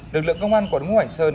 lực lượng công an quận ngu hành sơn